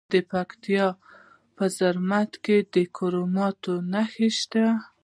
د پکتیا په زرمت کې د کرومایټ نښې شته.